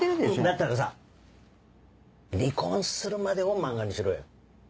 だったらさ離婚するまでを漫画にしろよ。